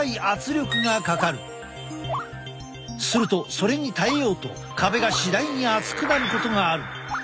するとそれに耐えようと壁が次第に厚くなることがある。